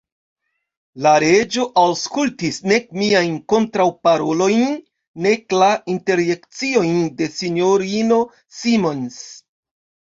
La Reĝo aŭskultis nek miajn kontraŭparolojn, nek la interjekciojn de S-ino Simons.